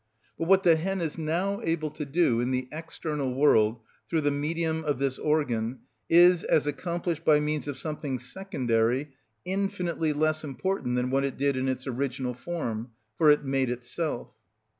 But what the hen is now able to do in the external world, through the medium of this organ, is, as accomplished by means of something secondary, infinitely less important than what it did in its original form, for it made itself.